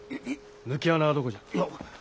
抜け穴はどこじゃ？